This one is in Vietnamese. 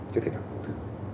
chắc chắn là cũng được